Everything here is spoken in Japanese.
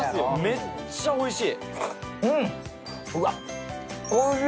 めっちゃおいしい。